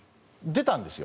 出たんですよ。